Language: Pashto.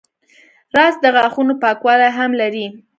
رس د غاښونو پاکوالی هم لري